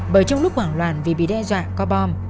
bởi trong lúc hoảng loạn vì bị đe dọa có bom